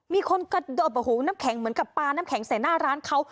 มีคนกระโดดโอ้โหน้ำแข็งเหมือนกับปลาน้ำแข็งใส่หน้าร้านเขา